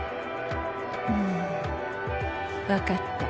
うん。分かった。